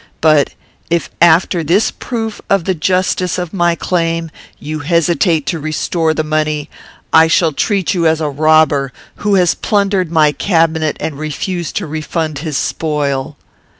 But if, after this proof of the justice of my claim, you hesitate to restore the money, I shall treat you as a robber, who has plundered my cabinet and refused to refund his spoil."